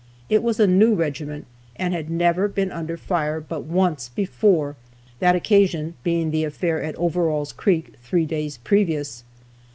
It was a new regiment, and had never been under fire but once before, that occasion being the affair at Overall's creek three days previous.